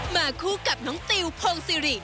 มาคู่กับน้องติวพงศิริ